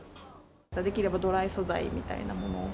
できればドライ素材みたいなものを。